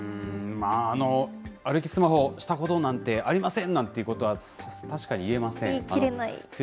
歩きスマホしたことなんてありませんなんてことは確かに言え言いきれない。